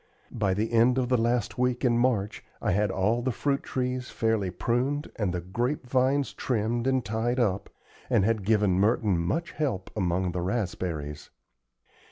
By the end of the last week in March I had all the fruit trees fairly pruned and the grape vines trimmed and tied up, and had given Merton much help among the raspberries.